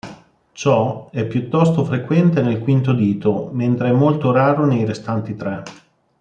Ciò è piuttosto frequente nel quinto dito mentre è molto raro nei restanti tre.